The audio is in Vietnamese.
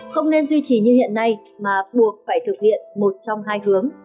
không nên duy trì như hiện nay mà buộc phải thực hiện một trong hai hướng